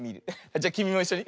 じゃきみもいっしょに。